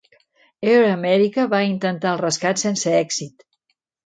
Air America va intentar el rescat sense èxit.